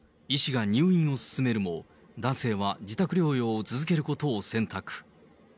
医師が入院を勧めるも、男性は自宅療養を続けることを選択。